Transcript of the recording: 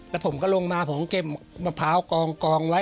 แล้วผมก็ลงมาผมเก็บมะพร้าวกองไว้